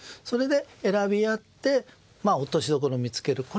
それで選び合って落としどころを見つける。